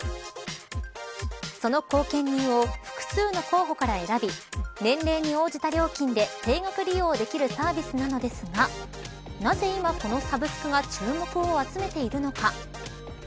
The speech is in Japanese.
その後見人を複数の候補から選び年齢に応じた料金で定額利用できるサービスなのですがなぜ今、このサブスクが注目を集めているのか。